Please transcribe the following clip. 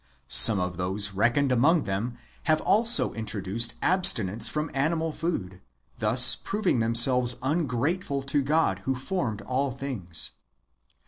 Some of those reckoned among them have also introduced abstinence from animal food, thus proving themselves ungrateful to God, who formed all things.